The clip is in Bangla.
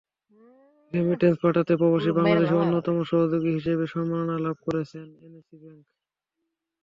রেমিট্যান্স পাঠাতে প্রবাসী বাংলাদেশিদের অন্যতম সহযোগী হিসেবে সম্মাননা লাভ করেছে এনসিসি ব্যাংক।